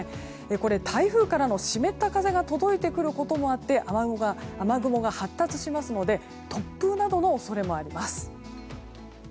これは、台風からの湿った風が届いてくることもあって雨雲が発達しますので突風などの恐れもあります。